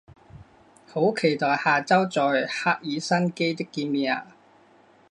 好期待下周在赫尔辛基的见面啊